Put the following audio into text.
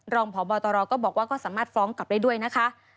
รองพบตรก็บอกว่าก็สามารถฟ้องกลับได้ด้วยนะคะ